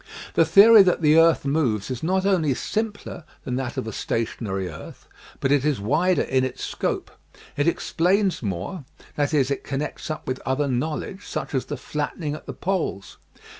The theory that the earth moves is not only simpler than that of a stationary earth, but it is wider in its scope. It explains more, that is, it connects up with other knowledge, such as the flattening at the poles.